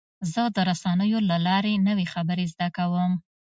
زه د رسنیو له لارې نوې خبرې زده کوم.